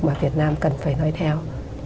mà việt nam cần phải nói theo